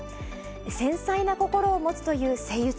繊細な心を持つというセイウチ。